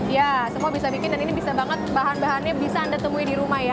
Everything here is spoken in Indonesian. ya semua bisa bikin dan ini bisa banget bahan bahannya bisa anda temui di rumah ya